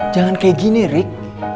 jangan kayak gini rick